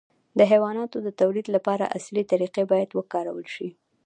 د حیواناتو د تولید لپاره عصري طریقې باید وکارول شي.